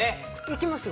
いきますよ。